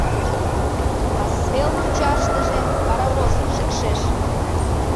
Касвел мучаштыже паровоз шикшеш.